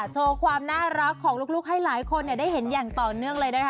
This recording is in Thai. โชว์ความน่ารักของลูกให้หลายคนได้เห็นอย่างต่อเนื่องเลยนะคะ